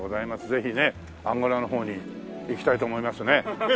ぜひねアンゴラの方に行きたいと思いますね。